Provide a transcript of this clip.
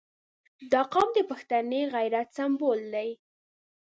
• دا قوم د پښتني غیرت سمبول دی.